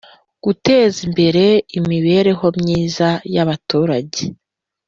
Guteza imbere imibereho myiza y Abaturage